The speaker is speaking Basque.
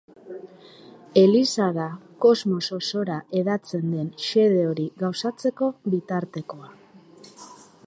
Eliza da kosmos osora hedatzen den xede hori gauzatzeko bitartekoa.